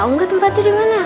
kalo enggak tempatnya dimana